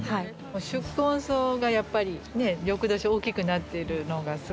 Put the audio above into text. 宿根草がやっぱりね翌年大きくなっている姿がね